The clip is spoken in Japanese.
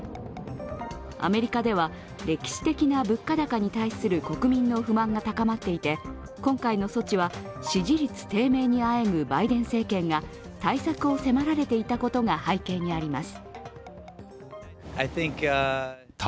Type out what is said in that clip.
アメリカでは、歴史的な物価高に対する国民の不満が高まっていて、今回の措置は支持率低迷にあえぐバイデン政権が対策を迫られていたことが背景にあります。